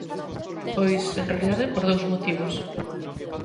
Pois, en realidade, por dous motivos.